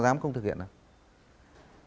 dám không thực hiện nào